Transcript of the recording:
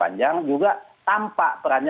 panjang juga tampak perannya